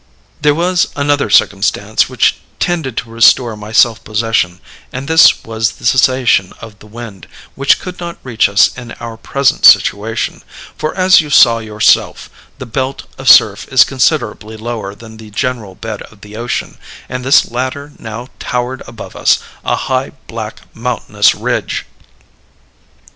"There was another circumstance which tended to restore my self possession, and this was the cessation of the wind, which could not reach us in our present situation for as you saw yourself, the belt of surf is considerably lower than the general bed of the ocean, and this latter now towered above us, a high, black, mountainous ridge.